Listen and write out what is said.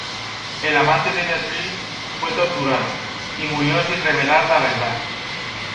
El amante de Beatrice fue torturado, y murió sin revelar la verdad.